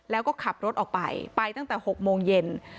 แล้วก็ขับรถออกไปไปตั้งแต่๖โมงเย็น